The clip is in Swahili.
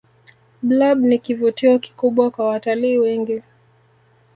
blob ni kivutio kikubwa kwa watalii wengi